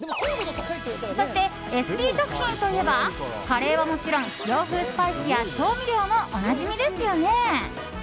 そして、エスビー食品といえばカレーはもちろん洋風スパイスや調味料もおなじみですよね。